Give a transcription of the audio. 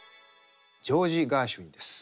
ジョージ・ガーシュウィンです。